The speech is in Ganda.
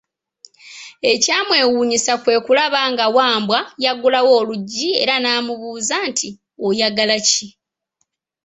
Ekyamwewuunyisa kwe kulaba nga Wambwa y'aggulawo oluggi era n'amubuuza nti, oyagala ki?